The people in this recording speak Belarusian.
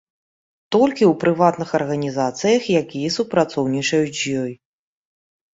Толькі ў прыватных арганізацыях, якія супрацоўнічаюць з ёй.